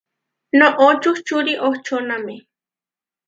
Noʼó čuhčuri očóname.